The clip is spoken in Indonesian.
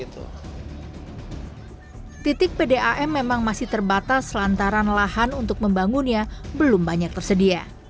titik pdam memang masih terbatas lantaran lahan untuk membangunnya belum banyak tersedia